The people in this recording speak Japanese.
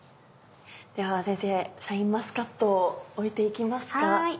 では先生シャインマスカットを置いて行きますか。